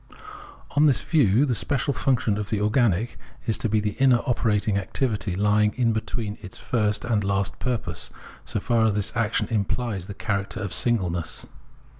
On this view the special function of the organic is to be the inner operating activity lying in between its first and last purpose, so far as this action imphes the character of singleness.